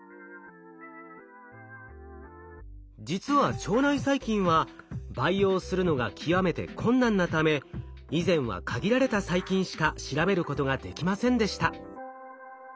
実は腸内細菌は培養するのが極めて困難なため以前は限られた細菌しか調べることができませんでした。